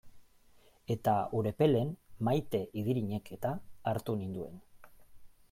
Eta Urepelen Maite Idirinek-eta hartu ninduen.